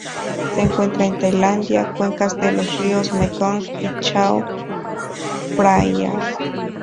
Se encuentra en Tailandia: cuencas de los ríos Mekong y Chao Phraya.